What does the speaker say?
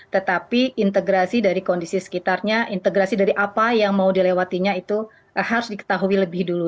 tetapi integrasi dari kondisi sekitarnya integrasi dari apa yang mau dilewatinya itu harus diketahui lebih dulu